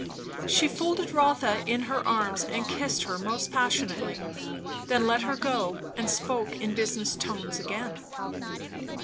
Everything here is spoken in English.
She folded Rotha in her arms and kissed her almost passionately. Then let her go, and spoke in business tones again.